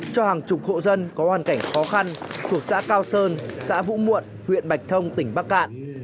cho hàng chục hộ dân có hoàn cảnh khó khăn thuộc xã cao sơn xã vũ muộn huyện bạch thông tỉnh bắc cạn